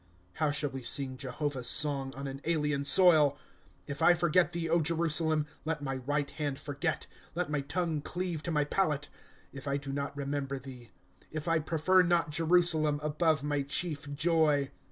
* How sliall we sing Jehovah's song, On an alien soil !^ If I forget thee, Jerusalem. Let my right hand forget !* Let my tongue cleave to my palate, If I do not remember thee ; If I prefer not Jerusalem, Above my chief joy.